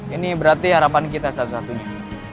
ini berarti harapan kita satu satunya